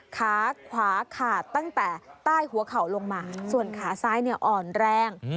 ขาขวาขาดตั้งแต่ใต้หัวเข่าลงมาส่วนขาซ้ายอ่อนแรง